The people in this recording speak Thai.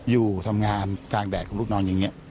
อยู่ทำงานกลางแดดของลูกนอนอย่างนี้